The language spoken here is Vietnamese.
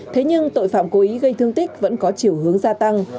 thế nhưng tội phạm cố ý gây thương tích vẫn có chiều hướng gia tăng